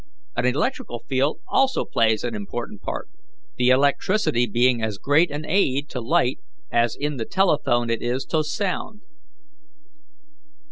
An electrical field also plays an important part, the electricity being as great an aid to light as in the telephone it is to sound.